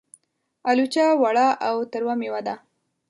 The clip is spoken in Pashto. الوچه وړه او تروه مېوه ده.